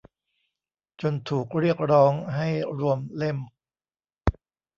จนถูกเรียกร้องให้รวมเล่ม